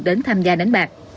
đến tham gia đánh bạc